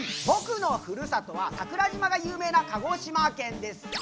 僕のふるさとは桜島が有名な鹿児島県です。